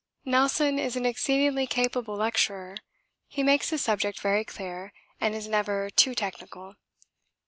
Nelson is an exceedingly capable lecturer; he makes his subject very clear and is never too technical.